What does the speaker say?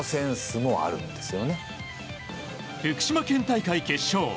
福島県大会決勝。